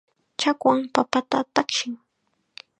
Chakwam papata tawshin.